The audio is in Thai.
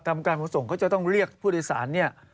กรรมการขนส่งเขาจะต้องเรียกผู้โดยสารเนี่ย